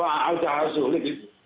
wah sudah sulit